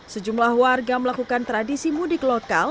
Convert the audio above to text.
sejumlah warga melakukan tradisi mudik lokal